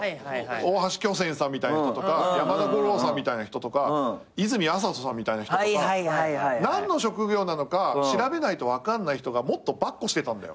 大橋巨泉さんみたいな人とか山田五郎さんみたいな人とか泉麻人さんみたいな人とか何の職業なのか調べないと分かんない人がもっと跋扈してたんだよ。